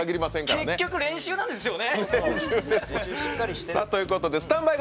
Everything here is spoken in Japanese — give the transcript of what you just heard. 結局、練習なんですよね。